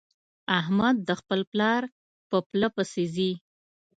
احمد د خپل پلار په پله پسې ځي.